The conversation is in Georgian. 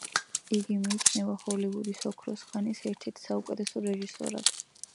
იგი მიიჩნევა ჰოლივუდის ოქროს ხანის ერთ-ერთ საუკეთესო რეჟისორად.